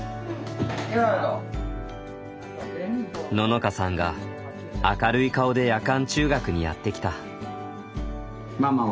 偉いぞ。ののかさんが明るい顔で夜間中学にやって来た。